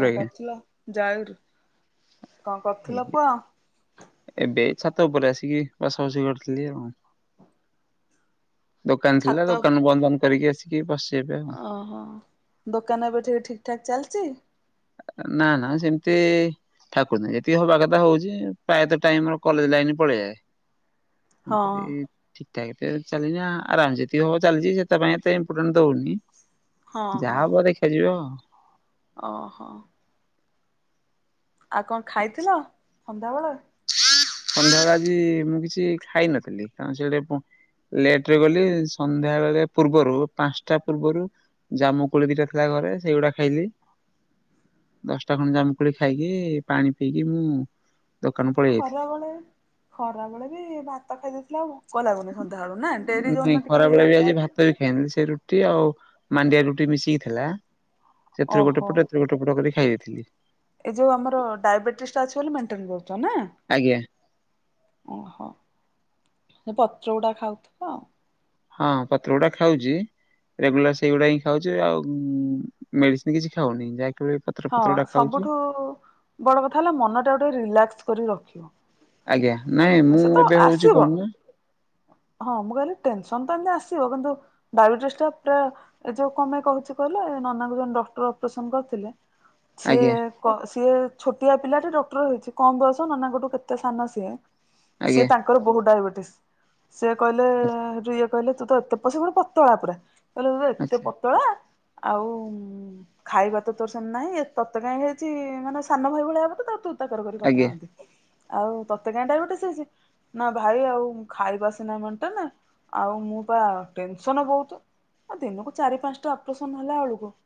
କଣ ଆଜ୍ଞା କରୁଥିଲ? ଜୟଗୁରୁ। କଣ କରୁଥିଲ ପୁଅ? ଏବେ ଏ ଛାତ ଉପରେ ଆସିକି ବସା ବସି କରିଥିଲି ଆଉ। ଦୋକାନ ଥିଲା, ଛାତ ଦୋକାନ ବନ୍ଦ ବାନ୍ଦ କରିକି ଆସିକି ବସିଚି ଏଵେ ଆଉ। ଓହୋ, ଦୋକାନ ଏବେ ଟିକେ ଠିକ ଠାକ୍ ଚାଲିଛି? ନା ନା ସେମିତି ଠାକୁର ନାଁ ଯେତିକି ହବା କଥା ହଉଛି ପ୍ରାୟତଃ ଟାଇମ ମୋର କଲେଜ ଲାଇନରେ ପଳେଇଯାଏ। [inaudible] [unintelligible] ଲି ଠିକ୍ ଠାକ୍ ତ ଏଵେ ଚାଲିନି, ଆରାମ ସେତିି ହବ ଚାଲିଛି ସେଥିପାଇଁ ଏତେ ଇମ୍ପୋଟାଣ୍ଟ ଦଉନି। ହଁ ହଁ ଯାହା ହବ ଦେଖା ଯିବ ଅ। ଓହୋ ଆଉ କଣ ଖାଇଥିଲ ସଂଧ୍ୟାବେଳେ? ସନ୍ଧ୍ୟାବେଳେ ଆଜି ମୁଁ କିଛି ଖାଇନଥିଲି କାରଣ ସେଟ ଲେଟରେ ଗଲି ସନ୍ଧ୍ୟା ବେଳେ ପୂର୍ବରୁ ପାଞ୍ଚଟା ପୂର୍ବରୁ ଜାମୁ କୋଳି ଦିଟା ଥିଲା ଘରେ ସେଇଗୁଡା ଖାଇଲି। ଦଶଟା ଖଣ୍ଡେ ଜାମୁକୋଳି ଖାଇକି ପାଣି ପିଇକି ମୁଁ ଦୋକାନ ପଳେଇ ଖରା ଯାଇଥିଲି। ବେଳେ, ଖରା ବେଳେ ବି ଭାତ ଖାଇଦେଇଥିଲେ ଆଉ ଭୋକ ଲାଗୁନି ସନ୍ଧ୍ୟାବେଳୁ ନା ଡେରି ନାଇଁ ଯୋଉଦିନ ଟିକେ ଖରାବେଳେ ହେଇଯାଉଛି ଆଉ [unintelligible] ସେ ରୁଟି ଆଉ ମାଣ୍ଡିଆ ରୁଟି ମିଶିକି ଥିଲା ସେଥିରୁ ଗୋଟେ ପଟ ଗୋଟେ ପଟ କରି ଖାଇ ଦେଇଥିଲି। ଏଇ ଯୋଉ ଆମର ଡାଇବେଟିସ ଟା ଅଛି ବୋଲି ମେଣ୍ଟେନ କରୁଛ ନା? ଆଜ୍ଞା। ଓହୋ, ସେ ପତ୍ର ଗୁଡା ଖାଉଥିବ ଆଉ। ହଁ ପତ୍ରଗୁଡା ଖାଉଛି ରେଗୁଲାର ସେଇଗୁଡା ହିଁ ଖାଉଛି ଆଉ ମେଡିସିନ୍ କିଛି ଖାଉନି ଯାହା ପତ୍ର ହଁ, ଫତ୍ରଗୁଡା ଖାଉଛି। ସବୁଠୁ ବଡ଼ କଥା ହେଲା ମନଟାକୁ ଟିକେ ରିଲାକ୍ସ କରି ରଖିବ। ଆଜ୍ଞା, ନାଇଁ ମୁଁ ସେ ତ ମୋତେ ହଉଛି ଆସିବ କଣ ନା ହଁ ମୁଁ କହିଲି ଟେନସନ ତ ଏମିତି ଆସିବ କିନ୍ତୁ ଡାଇବେଟିସ୍ ଟା ପୁରା ଏ ଯୋଉ କଣ ପାଇଁ କହୁଛେ କହିଲେ ଏ ନନାଙ୍କୁ ଜଣ ଡକ୍ଟର ଅପରେସନ କରିଥିଲେ ସିଏ ଆଜ୍ଞା କ ସିଏ ଛୋଟିଆ ପିଲାଟା ଡକ୍ଟର ହେଇଛି କମ ବୟସ ନନାଙ୍କ ଠୁ କେତେ ସାନ ସିଏ ସି ଆଜ୍ଞା ତାଙ୍କର ବହୁତ ଡାଇବେଟିସ୍ ସିଏ କହିଲେ ଯଉ କହିଲେ ତୁ ତ ଏତେ ପଶ ଗୋଟେ ପତଳା ପୁରା କହିଲେ ତୁ ତ ଏତେ ଆଚ୍ଛା ପତଳା ଆଉ ଖାଇବାତ ତୋର୍ ସେମ୍ତି ନାହିଁ ଏ ତତେ କାହିଁ ହେଇଛି ମାନେ ସାନ ଭାଇ ଭଳିଆ ହବ ତ ତୁ ତା କରି କଥା ଆଜ୍ଞା ହଅନ୍ତି ଆଉ ତତେକାଇଁ ଡାଇଭଟ୍ ଏ ସିଏ ସିଏ ନା ଭାଇ ଆଉ ଖାଇବାସିନାଇ ମେଟେନେ ଆଉ ମୁଁ ପା ଟେନ୍ସନ୍ ବହୁତୁ। ଆଉ ଦିନକୁ ଚାରି ପାସ୍ଟା ଅପରେସନ୍ ହେଲା ବେଳକୁ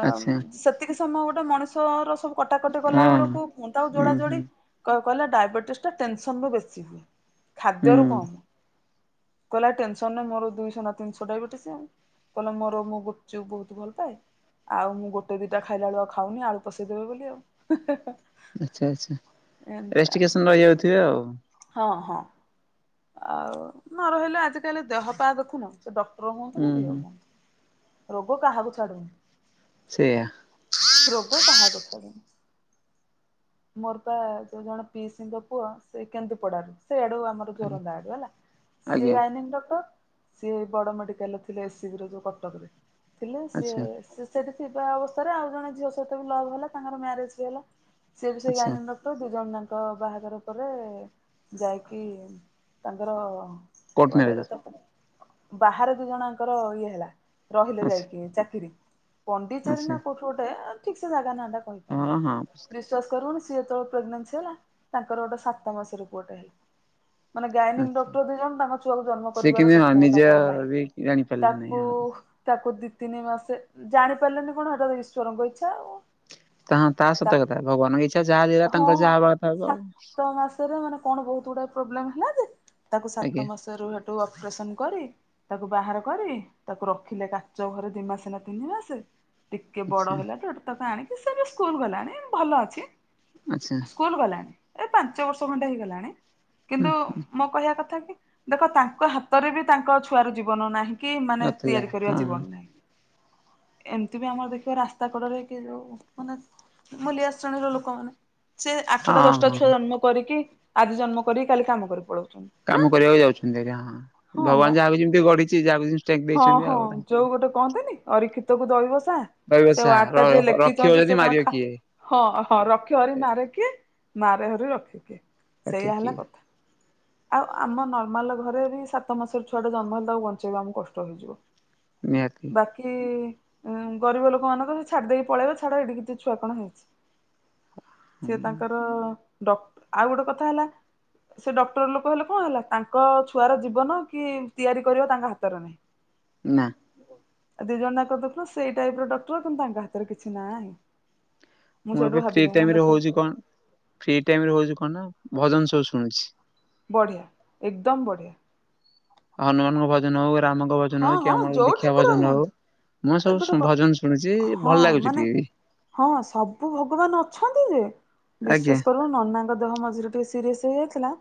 ଆମ୍ ଆଚ୍ଛା ସେତିକି ସମୟ ଗୋଟେ ମଣିଷର ସବୁ କଟାକଟି କଲା ହଁ ବେଳକୁ ତାକୁ ହୁଁ ଯୋଡା ହୁଁ। ଯୋଡି କ କହିଲା ଡାଇବେଟିସ୍ ଟା ଟେନ୍ ସନ୍ ରୁ ବେଶୀ ହୁଏ ହୁଁ ଖାଦ୍ୟ ରୁ କମ୍। କହିଲା ଟେନ୍ ସନ୍ ରେ ମୋର ଦୁଇସହ ନା ତିିନ୍ଶହ ଡାଇବେଟିସି ଆଉ। କହିଲେ ମୋର ମୁଁ ଗୁପ୍ ଚୁପ୍ ବହୁତୁ ଭଲ୍ ପାଏ। ଆଉ ମୁଁ ଗୋଟେ ଦିଟା ଖାଇଲା ବେଳୁ ଆଉ ଖାଉନି ଆଳୁ ପଷେଇଦେବେ ବୋଲି ଆଉ। ଆଚ୍ଛା ଆଚ୍ଛା ଏମିତି ଆଉ ରେଷ୍ଟିକେସନ୍ ରହିଯାଉଥିବେ ଆଉ। ହଁ ହଁ। ଆଉ ନ ରହିଲେ ଆଜିକାଲି ଦେହ ପା ଦେଖୁନୁ ସେ ଡକ୍ଟର୍ ହୁଅନ୍ତୁ ହୁଁ ନା ଯିଏ ହୁଁ। ହୁଅନ୍ତୁ। ରୋଗ କାହାକୁ ଛାଡୁନି। ସେଇୟା। ରୋଗ କହାକୁ ଛାଡୁନି। ମୋର ପା ଯୋଉ ଜଣେ ପିସିଙ୍କ ପୁଅ ସେ କେନ୍ଦୁ ପଡାରୁ ସେଆଡୁ ଆମର। ଜୋରନ୍ଦା ଆଡୁ ହେଲା ସିଏ ଆଜ୍ଞା ଯାଇନିଙ୍ଗ୍ ଡକ୍ଟର୍। ସିଏ ଏଇ ବଡ ମେଡିକାଲ୍ ରେ ଥିଲେ ଏସିବିରେ ଯୋଉ କଟକ୍ ରେ ଥିଲେ ସିଏ ଆଚ୍ଛା ଏସିସି ସେଠିି ଅବସ୍ଥାରେ ଆଉ ଜଣେ ଝିଅ ସହିତ ବି ଲଭ୍ ହେଲା ତାଙ୍କର ମ୍ୟାରେଜ୍ ବି ହେଲା ସିଏ ବି ସେଇ ଆଚ୍ଛା ଗାଇନନ୍ ଡ ପଟୁ ଦି ଜଣ ଯାଙ୍କ ବାହାଘର ପରେ ଯାଇକି ତାଙ୍କର କୋର୍ଟ କୁଆଡେ ମ୍ୟାରେଜ ରତ [unintelligible] ବାହାରେ ଦି ଜଣଆଙ୍କର ଇଏ ହେଲା। ରହିଲେ ଆଚ୍ଛା ଯାଇକି ଚାକିରି ପଣ୍ଡିଚେରୀ ଆଚ୍ଛା ନା କୋଉଠି ଗୋଟେ ଏଁ ଠିକ୍ ସେ ଜାଗା ନାଟା କହିପାର୍ନି ହଁ ହଁ ଆଚ୍ଛା। ବିଶ୍ଵାସ କରୁବନି ସିଏ ଯେତେବେଳେ ପ୍ରେଗ୍ନେନ୍ସି୍ ହେଲା ତାଙ୍କର ଗୋଟେ ସାତ ମାସରେ ପୁଅ ଟେ ହେଲା। ମାନେ ଗାଇନିଙ୍ଗ୍ ଡକ୍ଟର୍ ଦିଜଣ ତାଙ୍କ ଛୁଆକୁ ଜନ୍ମ ସେ କରିବାର କିନ୍ତୁ ହଁ ସକ୍ଷମ ନିଜେ ତାଙ୍କର ନାହିଁ ବି ଜାଣି ପାରିଲେ ନାହିଁ ତାକୁ ଆଉ। ତାକୁ ଦି ତିନି ମାସେ ଜାଣି ପାର୍ଲେନି କଣ ହେଟା ଈଶ୍ୱରଙ୍କ ଇଚ୍ଛା ଆଉ। ତାହାଁ ତା ସତ କଥା ଭଗାନ୍ଙ୍କ ଇଚ୍ଛା ଯାହା ଳିଲା ତାଙ୍କ ଯାହା ହବା କଥା ହବ ଆଉ। ହାତରେ ମାନେ କଣ ବହୁତୁ ଗୁଡେ ପ୍ରୋବ୍ଲେମ୍ ହେଲା ଯେ ତାକୁ ଆଜ୍ଞା। ସାତ ମାସରୁ ହେଠୁ ଅପରେସନ୍ କରି ତାକୁ ବାହାର କରି ତାକୁ ରଖିଲେ କାଚ ଘରେ ଦି ମାସେ ନା ତିନି ମାସେ ଟିକେ ବଡ଼ ଆଚ୍ଛା ହେଲା ଟୁ ହେଟୁ ତାକୁ ଆଣିକି ସେ ଏବେ ସ୍କୁଲ୍ ଗଲାଣି ଭଲ ଅଛି। ଆଚ୍ଛା। ସ୍କୁଲ୍ ଗଲାଣି ଏ ପାଞ୍ଚ ବର୍ଷ ଖଟେ ହେଇଗଲାଣି ହୁଁ କିନ୍ତୁ ମ କହିବା କଥା କି ଦେଖ ତାଙ୍କ ହାତରେ ବି ତାଙ୍କ ଛୁଆର ଜୀବନ ନାହି। କି ମାନେ ନଥିଲା ତିଆରି କରିବା ହଁ ଜୀବନ୍ ନାହିଁ। ଏମିତି ବି ଆମର ଦେଖିବା ରାସ୍ତା କଡରେ କି ଯୋଉ ମାନେ ମୁଲିଆ ଶ୍ରେଣୀର ଲୋକମାନେ। ସିଏ ଆଠଟା ହଁ ଦଶଟା ଛୁଆ ହଁ। ଜନ୍ମ କରିକି ଆଜି ଜନ୍ମ କରିକି କାଲି କାମ କରି ପଳଉଛନି। କାମ କରିବାକୁ ଯାଉଛନ୍ତି ହାରି ହାଁ ବା ଭଗବାନ୍ ଯାହାକୁ ଯେମିତି ଗଢିଛି ଯାହାକୁ ଜି ହଁ ହଁ ଯୋଉ ଗୋଟେ କହନ୍ତିନି ଅରିକ୍ଷିତ କୁ ଦହିବସା? ରହିବ ସେ ସାହା ୱାଟା ଯିଏ ରଖିବ ଲେଖିଛନ୍ତି ଯଦି ସେ କଣ ମାରିବ ଖା କିଏ ହଁ ହଁ ରଖି ହରି ମାରେ କିଏ ମାରେ ହରି ରଖିବ୍ କିଏ। ରଖେ ସେଇୟା ହେଲା କିଏ କଥା। ଆଉ ଆମ ନର୍ମାଲ୍ ଘରେ ବି ସାତ ମାସର ଛୁଆ ଟା ଜନ୍ମ ହେଲେ ତାକୁ ବଞ୍ଚେଇବା ଆମକୁ କଷ୍ଟ ହେଇଯିବ। ମିଆଥ୍ ମି। କି ଗରିବ ଲୋକ ମାନେ ଙ୍କର ସେ ଛାଡି ଦେଇକି ପଳେଇବେ ଛାଡ ଏଇଡି କିଛି ଛୁଆ କଣ ହେଇଛି। ସେ ତାଙ୍କର ଡ ଆଉ ଗୋଟେ କଥା ହେଲା ସେ ଡକ୍ଟର ଲୋକ ହେଲେ କଣ ହେଲା ତାଙ୍କ ଛୁଆର ଜୀବନ କି ତିଆରି କରିବା ତାଙ୍କ ହାତରେ ନାହିଁ। ନା। ଦି ଜଣ ଯାଙ୍କ ଦେଖୁନ ସେଇ ଟାଇପ୍ ର ଡକ୍ଟର କିନ୍ତୁ ତାଙ୍କ ହାତରେ କିଛି ନାହିଁ। ମୁଁ ସେଇଠୁ ଏବେ ଫ୍ରୀ ଭାବିଲି ମୁଁ ଟାଇମ୍ କହିଲି ରେ ହଉଛି ଦେଖ କଣ ଫ୍ରି ଟାଇମ୍ ରେ ହଉଛି କଣ ନା ଭଜନ ସବୁ ଶୁଣୁଛି। ବଢ଼ିଆ ଏକଦମ୍ ବଢ଼ିଆ। ହନୁମାନଙ୍କ ଭଜନ ହଉ ରାମଙ୍କ ହଁ ଭଜନ ହଉ କି ହଁ ଆମର ଯୋଉ ଦୀକ୍ଷା ଠାକୁର ଭଜନ ହଉ। ହୁଅନ୍ତୁ ମୁଁ ଏ ସବୁ ଗୋଟେ ଶୁ କ ଭଜନ ଶୁଣିଛି ହଁ ଭଲ ଲାଗୁଛି ମାନେ ଟିକେ ବି। ହଁ ସବୁ ଭଗବାନ ଅଛନ୍ତି ଯେ ଆଜ୍ଞା ବିଶ୍ଵାସ କର ନନାଙ୍କ ଦେହ ମଝିରେ ସିରିଏସ୍ ହେଇଯାଇଥିଲା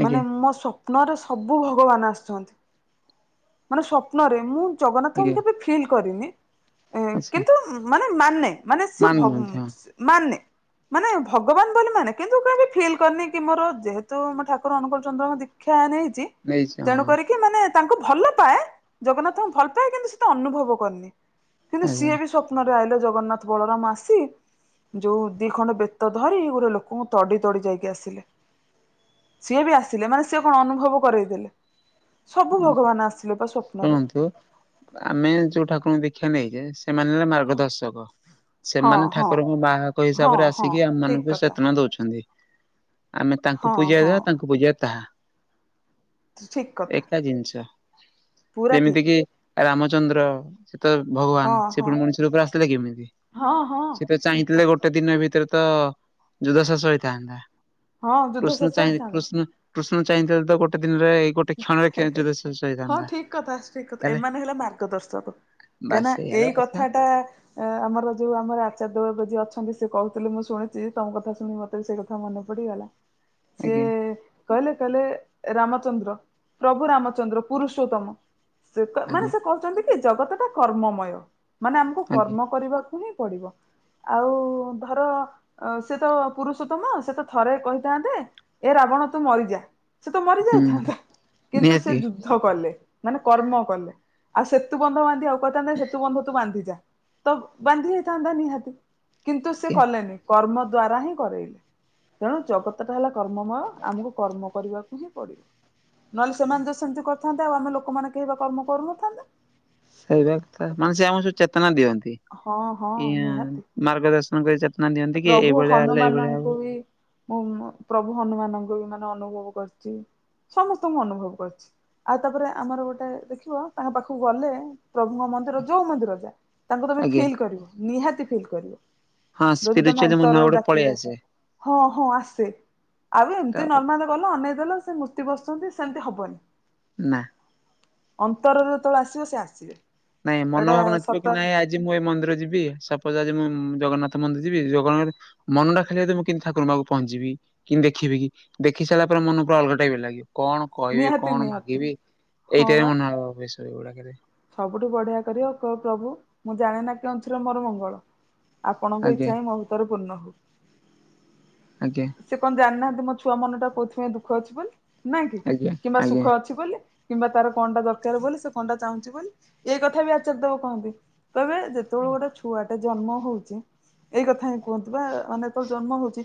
ଆଜ୍ଞା ମାନେ ମୋ ସପ୍ନରେ ସବୁ ଭଗବାନ ଆସିଛନ୍ତି। ମାନେ ସ୍ୱପ୍ନରେ ମୁଁ ଜଗନ୍ନାଥଙ୍କୁ ଆଜ୍ଞା କେବେ ଫିଲ୍ କରିନି ଆଚ୍ଛା କିନ୍ତୁ ମାନେ ମାନେ ମାନେ ସିଏ ମାନ ଭ ମଧ୍ୟ ସି ମାନେ ମାନେ ଭଗବାନ ବୋଲି ମାନେ କିନ୍ତୁ [unintelligible] ଫିଲ୍ କରିନି କି ମୋର ଯେହେତୁ ମୋ ଠାକୁର ଅନୁକୋଳ ଚନ୍ଦ୍ରଙ୍କ ଦି କ୍ଷା ନେଇଛି ନେଇଛି ତେଣୁ ହଁ କରିକି ମାନେ ତାଙ୍କୁ ଭଲ ପାଏ ଜଗନ୍ନାଥଙ୍କୁ ଭଲ ପାଏ କିନ୍ତୁ ସେ ତ ଅନୁଭବ କରିନି କିନ୍ତୁ ଆଜ୍ଞା ସିଏ ବି ସ୍ଵ ପ୍ନ ରେ ଆଇଲେ ଜଗନ୍ନାଥ ବଳରାମ୍ ଆସି ଯୋଉ ଦି ଖଣ୍ଡ ବେତ ଧରି ଗୋଟେ ଲୋକଙ୍କୁ ତଡି ତଡି ଯାଇକି ଆସିଲେ। ସିଏ ବି ଆସିଲେ ମାନେ ସିଏ କଣ ଅନୁଭବ କରେଇଦେଲେ। ସବୁ ଭଗବାନ ଆସିଲେ ପା ସ୍ୱପ୍ନରେ। ଶୁଣନ୍ତୁ ଆମେ ଯୋଉ ଠାକୁରଙ୍କୁ ଦୀକ୍ଷା ନେଇଛେ ସେମାନେ ମା ଦର୍ଶକ ହଁ ସେମାନେ ହଁ ଠାକୁରଙ୍କ ବାହାକ ହଁ ହିସାବରେ ହଁ ଆସିକି ଆମ ଠିକ ମାନଙ୍କୁ କଥା ଚେତନା ଦଉଛନ୍ତି। ଆମେ ତାଙ୍କୁ ହଁ ପୂଜା ହଁ ଦବା ତାଙ୍କୁ ପୂଜିଆ ତାହା। ଠିକ କଥା ଏକା ଜିନିଷ ପୁରା ଯେମିତି ଠିକ କିି ରାମଚନ୍ଦ୍ର। ସେ ତ ଭଗବାନ ହଁ ସେ ହଁ ପୁଣି ମଣିଷ ରୂପରେ ଆସିଥିଲେ କିମିତି। ହଁ ହଁ ସିଏ ତ ଠିକ ଚାହିଁଥିଲେ କଥା ଗୋଟେ ଦିନ ଭିତରେ ତ ଯୁଦ୍ଧ ଶେଷ ହୋଇଥାନ୍ତା। ହଁ ଯୁଦ୍ଧ କୃଷ୍ଣ ଶେଷ ଚାହିଁ ହେଇଥାନ୍ତା କୃଷ୍ଣ କୃଷ୍ଣ ଚାହିଁଥିଲେ ତ ଗୋଟେ ଦିନରେ ଗୋଟେ କ୍ଷଣରେ ଖେ ଯୁଦ୍ଧ ଶେଷ ହଁ ହେଇଥାନ୍ତା। ଠିକ୍ କଥା ଠିକ୍ କଥା ତାହେଲେ ଏମାନେ ହେଲେ ମାର୍ଗ ଦର୍ଶକ। କାଇଁନା ଏଇ କଥା ଟା ଏ ଆମର ପା ଯୋଉ ଆମର ଆଚାର୍ଦେବ ଏବେ ଯିଏ ଅଛନ୍ତି ସେ କହୁଥିଲେ ମୁଁ ଶୁଣିଛି ତମ କଥା ଶୁଣି ମତେ ବି ସେଇ କଥା ମନେ ପଡିଗଲା। ହ [inaudible] ସିଏ ଆଜ୍ଞା କହିଲେ କହିଲେ ରାମଚନ୍ଦ୍ର ପ୍ରଭୁ ରାମଚନ୍ଦ୍ର ପୁରୁଷୋତ୍ତମ। ସେ କ ଆଜ୍ଞା ମାନେ ସେ କହୁଛନ୍ତି କି ଜଗତ ଟା କର୍ମମୟ। ମାନେ ଆମକୁ ଆଜ୍ଞା କର୍ମ କରିବାକୁ ହିଁ ପଡିବ। ଆଉ ଧର ସେ ତ ପୁରୁଷୋତ୍ତମ ସେ ତ ଥରେ କହିଥାନ୍ତେ। ଏ ରାବଣ ତୁ ମରିଯା ସେ ତ ହୁଁ। ମରିଯାଇଥାନ୍ତା କିନ୍ତୁ ସେ ନିହାତି ଯୁ ଦ୍ଧ କଲେ ମାନେ କର୍ମ କଲେ ଆଉ ସେତୁ ବନ୍ଧ ବାନ୍ଧିବାକୁ କହିଥାନ୍ତେ ସେତୁ ବନ୍ଧ ତୁ ବାନ୍ଧି ଯାଆ। ତ ବାନ୍ଧି ହେଇଥାନ୍ତା ନିହାତି କିନ୍ତୁ ସେ ଆଜ୍ଞା କଲେନି। କର୍ମ ଦ୍ଵାରା ହିଁ କରେଇଲେ। ତେଣୁ ଜଗତ ଟା ହେଲା କର୍ମମୟ। ଆମକୁ କର୍ମ କରିବାକୁ ହିଁ ପଡିବ। ନହେଲେ ସେମାନେ ତ ସେମିତି କରିଥାନ୍ତେ ଆଉ ଆମେ ଲୋକମାନେ କେହି ପା କର୍ମ କରୁନଥାନ୍ତେ। ସେଇବା କଥା ମାନେ ସେ ଆମକୁ ସବୁ ଚେତନା ଦିଅନ୍ତି। ହଁ ହଁ କି ନିହାତି। ମାର୍ଗ ଦର୍ଶନ କରି ଚେତନା ଦିଅନ୍ତି କି ପ୍ରଭୁ ଏଇଭଳିଆ ହେଲେ ଏଇଭଳିଆ ହବ। ହନୁମାନଙ୍କୁ ବି ମୁଁ ପ୍ରଭୁ ହନୁମାନଙ୍କୁ ବି ମାନେ ଅନୁଭବ କରିଛି ସମସ୍ତଙ୍କୁ ଅନୁଭବ କରିଛି। ଆଉ ତାପରେ ଆମର ଗୋଟେ ଦେଖିବ ତାଙ୍କ ପାଖକୁ ଗଲେ ପ୍ରଭୁଙ୍କ ମନ୍ଦିର ଯୋଉ ମନ୍ଦିର ଯାଆ ତାଙ୍କୁ ତମେ ଆଜ୍ଞା ଫିଲ୍ କରିବ ନିହାତି ଫିଲ୍ କରିବ। ହଁ ଯଦି ତମେ ସ୍ପିରିଚୁଆଲି ମୋ ନୂଆ ଅନ୍ତରରୁ ଗୋଟେ ଡାକି ପଳେଇ ଯାଇଛ ଆସେ ହଁ ହଁ ଆସେ ଆଉ ଏମିତି ନର୍ମାଲ ଗଲ ଅନେଇ ଦେଲ ସେ ମୂର୍ତି ବସିଛନ୍ତି ସେମିତି ହବନି। ନା। ଅନ୍ତରରେ ଯେତେବେଳେ ଆସିବ ସେ ଆସିବେ। ନାଇଁ ଏଇଟା ମନୋଭାବ ନଥିବ ସତ କି ନାଇଁ ଆଜି ମୁଁ ଏଇ ମନ୍ଦିର ଯିବି ସପୋଜ ଆଜି ମୁଁ ଜଗନ୍ନାଥ। ମନ୍ଦିର ଯିବି ଜଗନ୍ନାଥ, ମନଟା ଖାଲି ମୁଁ କେମିତି ଠାକୁରଙ୍କ ପାଖକୁ ପହଞ୍ଚିବି। କେମିତି ଦେଖିବି ଦେଖି ସାରିଲା ପରେ ମନଟା ପୁରା ଅଲଗା ଟାଇପ୍ ର ଲାଗିବ କଣ। କହିବି ନିହାତି କଣ ନିହାତି ମାଗିବି ହଁ ଏଇଟା ବି ବା। ମନ ଭାବ ଆସେ। ସବୁଠୁ ବଢ଼ିଆ କରିବ କହିବ ପ୍ରଭୁ ମୁଁ ଜାଣ ନା କେଉଁଥିରେ ମୋର ମଙ୍ଗଳ। ଆପଣଙ୍କ ଆଜ୍ଞା ଇଚ୍ଛା ହିଁ ମୋ ଭିତରେ ପୂର୍ଣ୍ଣ ହଉ। ଆଜ୍ଞା। ସେ କଣ ଜାଣିନାହାନ୍ତି ମୋ ଛୁଆ ମନଟା କୋଉଥିପାଇଁ ଦୁଃଖ ଅଛି ବୋଲି ନାଇଁ କି ଆଜ୍ଞା କିମ୍ବା ଆଜ୍ଞା ସୁଖ ଅଛି ବୋଲି। କିମ୍ବା ତାର କଣଟା ଦରକାର ବୋଲି, ସେ କଣଟା ଚାହୁଁଛି ବୋଲି, ଏଇ କଥା ବି ଆଚାର୍ଯ୍ୟ ଦେବ କହନ୍ତି। କହିବେ ଯେତେବେଳେ ଗୋଟେ ଛୁଆ ଟା ଜନ୍ମ ହଉଛି। ଏଇ କଥା ହିଁ କୁହନ୍ତି ବା ଅନେକ ଜନ୍ମ ହଉଛି।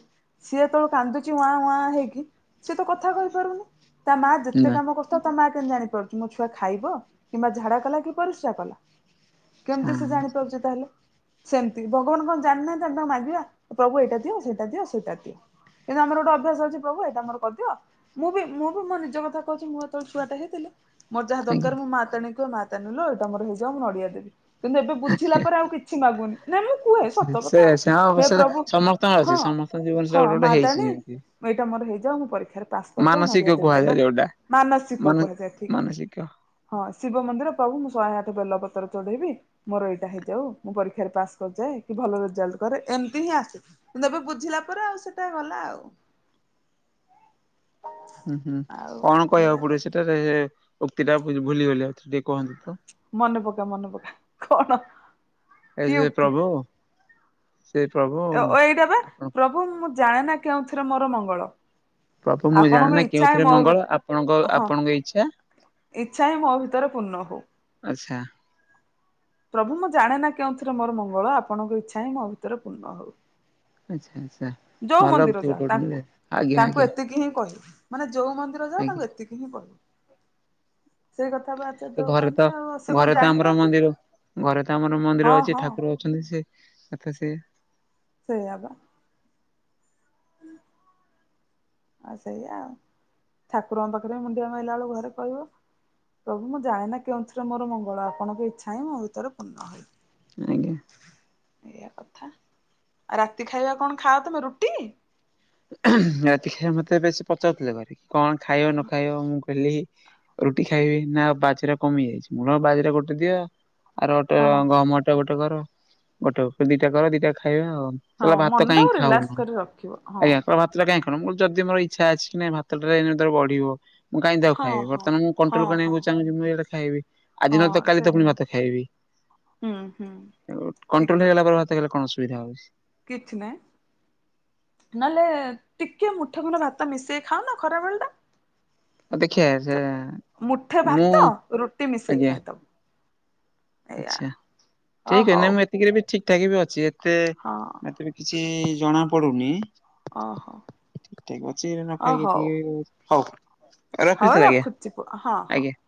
ସିଏ ତ କାନ୍ଦୁଛି ୱଆଁ ୱଆଁ ହେଇକି ସିଏ ତ କଥା କହିପାରୁନି। ତା ମା ଯେତେ ନା କାମ କରୁଥାଉ ତା ମା କେମିତି ଜାଣିପାରୁଚି ମୋ ଛୁଆ ଖାଇବ। କିମ୍ବା ଝାଡ଼ା କଲା କି ପରିସ୍ରା କଲା କେମିତି ସେ ଜାଣି ପାରୁଛି ତାହେଲେ। ସେମିତି ଭଗବାନ କଣ ଜାଣି ନାହାଁନ୍ତି ଆମେ ତାଙ୍କୁ ମାଗିବା ପ୍ରଭୁ ଏଇଟା ଦିଅ, ସେଇଟା ଦିଅ, ସେଇଟା ଦିଅ। କିନ୍ତୁ ଆମର ଗୋଟେ ଅଭ୍ୟାସ ଅଛି ପ୍ରଭୁ ଏଇଟା ମୋର କରିଦିଅ। ମୁଁ ବି ମୁଁ ବି ମୋ ନିଜ କଥା କହୁଛି ମୁଁ ଯେତେବେଳେ ଛୁଆଟେ ହେଇଥିଲି। ମୋର ଯାହା ଆଜ୍ଞା। ଦରକାର ମୋ ମା ତାରିଣୀ କି କହେ, ମାତାରିଣୀ ଲୋ ଏଇଟା ମୋର ହେଇଯାଉ, ମୁଁନଡ଼ିଆ ଦେବି। କିନ୍ତୁ ଏବେ ବୁଝିଲା ପରେ ଆଉ କିଛି ମାଗୁନି, ନାଇଁ ମୁଁ କୁହେ ସତ ସେ କଥା ଆଉ ସେ ହଁ ହେ ଅବଶ୍ୟ ପ୍ରଭୁ ସମସ୍ତଙ୍କର ଅଛି ହଁ ସମସ୍ତଙ୍କ ଜୀବନ ସେଟା ହଁ ଗୋଟେ ଗୋଟେ ହେଇଛି ମାତାରିଣୀ। ଯେମିତି ମୁଁ ଏଇଟା ମୋର ହେଇଯାଉ ମୁଁ ପରୀକ୍ଷାରେ ପାସ୍ କରିଯାଏ ନଡ଼ିଆ ମାନସିକ ଦେବିଲୋ କୁହାଯାଏ ମା ମାନସିକ କୁହାଯାଏ ଠିକ୍। ଜ୍ଞ ହଁ ଶିବ ମନ୍ଦିର ପ୍ରଭୁ ମୁଁ ଶହେ ଆଠ ବେଲପତ୍ର ଚଢେଇବି। ମୋର ଏଇଟା ହେଇଯାଉ, ମୁଁ ପରୀକ୍ଷାରେ ପାସ୍ କରିଯାଏ, କି ଭଲ ରେଜଲ୍ଟ କରେ, ଏମିତି ହିଁ ଆସେ। ଯେବେ ବୁଝିଲା ପରେ ଆଉ ସେଟା ଗଲା ଆଉ। ହୁଁ ହୁଁ ଆଉ କଣ ଏଇଆ କହିବାକୁ ପଡ଼ିବ କଥା। ସେଟାରେ ଉକ୍ତି ଟା ଭୁଲିଗଲି ଆଉଥରେ ଟିକେ କୁହନ୍ତୁ। ତ? ମନେ ପକା ମନେ ପକା କଣ, କି ଉକ୍ତି। ହେ ପ୍ରଭୁ। ଓ-ଓ-ଏଇଟା ବା ଆପଣ ପ୍ରଭୁ ମୁଁ ଜାଣେନା କେଉଁଥିରେ ମୋର ମଙ୍ଗଳ। ପ୍ରଭୁ ମୁଁ ଆପଣଙ୍କ ଜାଣେନା ଇଚ୍ଛା ହିଁ କେଉଁଥିରେ ମୋ ଭି ମଙ୍ଗଳ ଆପଣଙ୍କ ହଁ ଆପଣଙ୍କ ଇଚ୍ଛା। ଇଚ୍ଛା ହିଁ ମୋ ଭିତରେ ପୂର୍ଣ୍ଣ ହଉ। ଆଚ୍ଛା। ପ୍ରଭୁ ମୁଁ ଜାଣେ ନା କେଉଁଥିରେ ମୋର ମଙ୍ଗଳ ଆପଣଙ୍କ ଇଚ୍ଛା ହିଁ ମୋ ଭିତରେ ପୂର୍ଣ୍ଣ ହଉ। ଆଚ୍ଛା ଆଚ୍ଛା। ଯୋଉ ଭଲ ମନ୍ଦିର ଉକ୍ତି ଯା ଗୋଟେ ଗୋଟେ ତାଙ୍କୁ ମିଳେ। ଆଜ୍ଞା -ତାଙ୍କୁ ଆଜ୍ଞା ଏତିକି ହିଁ କହିବ। ମାନେ ଯୋଉ ମନ୍ଦିର ଯାଅ ଆଜ୍ଞା ତାଙ୍କୁ ଏତିକି ହିଁ କହିବ ସେଇ କଥା ବା ଆଚାର୍ଯ୍ୟ ସେ ଦେବ ଘରେ କହନ୍ତି ତ, ଆଉ ସେ କଣ ଘରେ ତ ଆମର ଜାଣିନାହାନ୍ତି ମନ୍ଦିର, ଘରେ ତ ଆମର ମନ୍ଦିର ହଁ ଅଛି, ହଁ ଠାକୁର। ଅଛନ୍ତି, ସେ କଥା ସେ - ସେଇଆ ବା। ଆଉ ସେଇଆ ଠାକୁରଙ୍କ ପାଖରେ ମୁଣ୍ଡିଆ ମାରଲା ବେଳକୁ ଘରେ କହିବ। ପ୍ରଭୁ ମୁଁ ଜାଣେନା କେଉଁଥିରେ ମୋର ମଙ୍ଗଳ ଆପଣଙ୍କ ଇଚ୍ଛା ହିଁ ମୋ ଭିତରେ ପୂର୍ଣ୍ଣ ହଉ। ଆଜ୍ଞା। ଏଇଆ କଥା, ଆଉ ରାତି ଖାଇବା କଣ ଖାଅ ତମେ ରୁଟି। ରାତି ଖାଇବା ମୋତେ ବେଶୀ ପଚାରୁଥିଲେ, ଘରେ କଣ ଖାଇବ ନ ଖାଇବ, ମୁଁ। ରୁଟି ଖାଇବି ନା ବାଜିରା କମି ଯାଇଛି ବାଜିରା ଗୋଟେ ଦିଅ ଆର ଅଟା ହଁ ଗହମ ଅଛି ଗୋଟେ ଘରୁ ଗୋଟେ ହଉ ଦିଟା କର ଦିଟା ଖାଇବା। ହଁ କହିଲା ଭାତ କାହିଁ ମନଟାକୁ ଖାଉନୁ ରିଲାକ୍ସ କରିକି ରଖିବ ହଁ। ଆଜ୍ଞା ଭାତଟା କାହିଁ କଲ ମୋର ଯଦି ମୋ ଇଛା ଅଛି ନାଇଁ ଭାତଟାରେ ଏଇନା ତୋର ବଢିବ। ମୁଁ କାଇଁ ତାକୁ ହଁ ଖାଇବି ହଁ ବର୍ତ୍ତମାନ ମୁ ହଁ କଣ୍ଟ୍ରୋଲ ହଁ କିରିବାକୁ ଚାହୁଁଚି ମୁଁ ଏଉଡ଼ା ଖାଇବି। ଆଜି ହଁ ନହେଲେ ତ କାଲି ସେ ତ ପୁଣି ଭାତ ଖାଇବି, ହୁଁ ହୁଁ ଠିକ କଣ୍ଟ୍ରୋଲ କଥା। ହେଇଗଲା ପରେ ଭାତ ତାହେଲେ କଣ ଅସୁବିଧା ହଉଛି? କିଛି ନାହିଁ। ନହେଲେ ଟିକେ ମୁଠେ ଖଣ୍ଡେ ଭାତ ମିଶେଇ ଖାଉନ ଖରା ବେଳ ଟା। ଆଉ ଦେଖିବା ସେ ମୁଠେ ମୁଁ ଭାତ ରୁଟି ମିଶେଇ ଆଜ୍ଞା ଖାଇଦବ। ଏଇଆ ଆଉ, ଓ ହଉ। ସେତିିରେ ବି ଠିକଠାକ୍ ବି ଅଛି। ଏତେ ହଁ ଏବେ କିଛି ଜଣାପଡୁନି। ଓହୋ ଠିକ୍ ଅଛି ଓ ନଖାଇକି ହଉ ଟିକେ ହଉ। ହଉ ରଖୁଛି ତାହାଲେ ଆଜ୍ଞା ପୁଅ ହଁ ହଁ। ଆଜ୍ଞା।